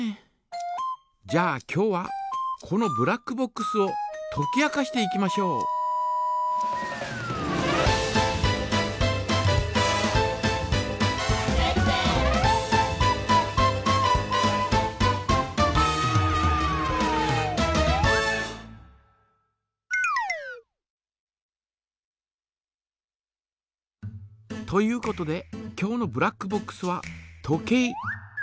じゃあ今日はこのブラックボックスをとき明かしていきましょう。ということで今日のブラックボックスは時計。